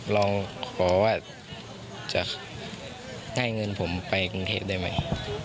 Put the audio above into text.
ลองขอว่าจะให้เงินผมไปกรุงเทพได้ไหม